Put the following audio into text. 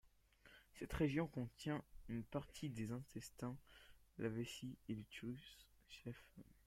Cette région contient une partie des intestins, la vessie et l'utérus chez la femme.